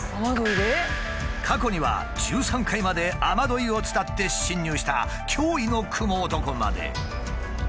過去には１３階まで雨どいを伝って侵入した脅威のクモ男まで。